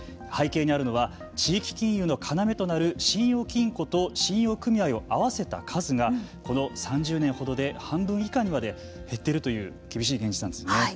背景にあるのは地域金融の要となる信用金庫と信用組合を合わせた数がこの３０年ほどで半分以下にまで減っているという厳しい現実なんです。